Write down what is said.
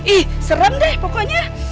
ih serem deh pokoknya